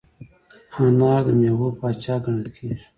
انار د میوو پاچا ګڼل کېږي.